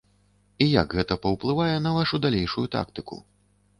І як гэта паўплывае на вашу далейшую тактыку?